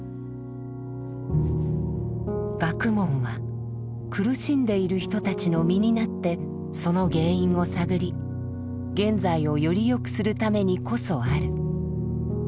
学問は苦しんでいる人たちの身になってその原因を探り現在をよりよくするためにこそある。